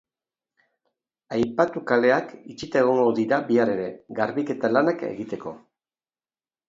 Aipatu kaleak itxita egongo dira bihar ere, garbiketa lanak egiteko.